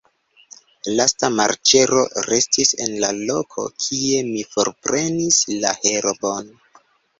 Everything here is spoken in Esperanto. Lasta marĉero restis en la loko, kie mi forprenis la herbon.